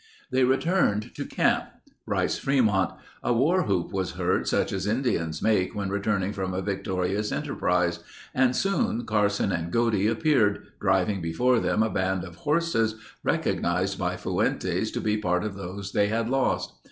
They returned to camp. Writes Fremont: "A war whoop was heard such as Indians make when returning from a victorious enterprise and soon Carson and Godey appeared, driving before them a band of horses recognized by Fuentes to be part of those they had lost.